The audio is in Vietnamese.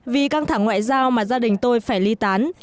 vì căng thẳng ngoại giao mà gia đình tôi phải ly tán